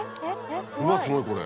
うわすごいこれ。